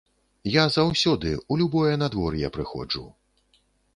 Я заўсёды, у любое надвор'е прыходжу.